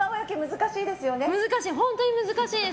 難しい、本当に難しいです。